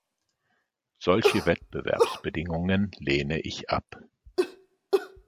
Solche Wettbewerbsbedingungen lehne ich ab.